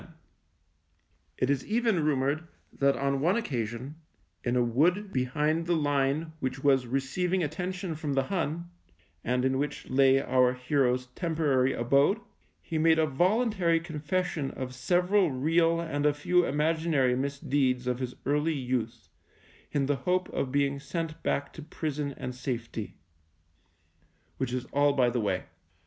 go THE MINE It is even rumoured that on one occasion, in a wood behind the line which was receiv ing attention from the Hun, and in which lay our hero's temporary abode, he made a voluntary confession of several real and a few imaginary misdeeds of his early youth in the hope of being sent back to prison and safety. Which is all by the way.